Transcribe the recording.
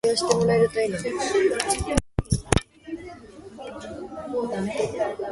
Courts are the mere instruments of the law, and can will nothing.